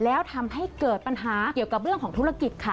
แล้วทำให้เกิดปัญหาเกี่ยวกับเรื่องของธุรกิจค่ะ